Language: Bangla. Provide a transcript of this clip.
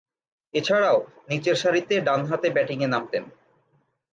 এছাড়াও নিচেরসারিতে ডানহাতে ব্যাটিংয়ে নামতেন।